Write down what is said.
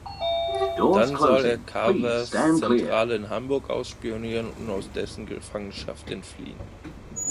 Dann soll er Carvers Zentrale in Hamburg ausspionieren und aus dessen Gefangenschaft entfliehen.